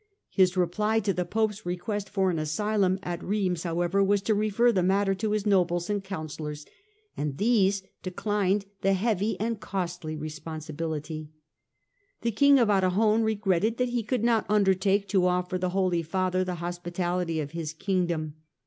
His reply to the Pope's request for an asylum at Rheims, however, was to refer the matter to his nobles and councillors, and these declined the heavy and costly responsibility. The King of Arragon regretted that he could not undertake to offer the Holy Father the hospi tality of his Kingdom.